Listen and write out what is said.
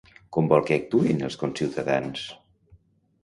Com vol que actuïn els conciutadans?